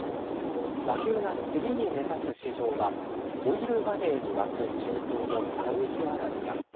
和牛が次に目指す市場はオイルマネーに沸く中東のサウジアラビア。